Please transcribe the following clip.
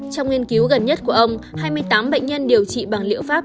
trong nghiên cứu gần nhất của ông hai mươi tám bệnh nhân điều trị bằng liệu pháp